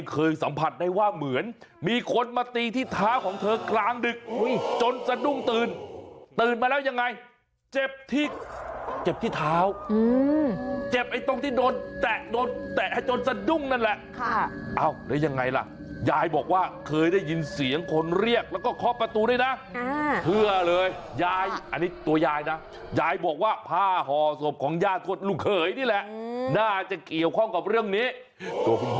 เคยสัมผัสได้ว่าเหมือนมีคนมาตีที่ท้าของเธอกลางดึกจนสะดุ้งตื่นตื่นมาแล้วยังไงเจ็บที่เจ็บที่ท้าวเจ็บไอ้ตรงที่โดนแตะโดนแตะให้จนสะดุ้งนั่นแหละครับเอาหรือยังไงล่ะยายบอกว่าเคยได้ยินเสียงคนเรียกแล้วก็คอปประตูด้วยนะเพื่อเลยยายอันนี้ตัวยายนะยายบอกว่าผ้าห่อสวบของย่างคนลูกเหยนี่แหละน่า